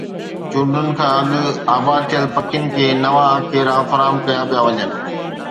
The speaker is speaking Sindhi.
چونڊن کان اڳ آباد ٿيل پکين کي نوان آکيرا فراهم ڪيا پيا وڃن.